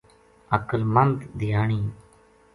عقل مند دھیانی